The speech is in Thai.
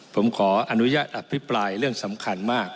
ผมขออนุญาตอภิปรายเรื่องสำคัญมาก